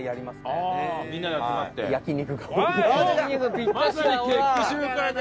ぴったしだ！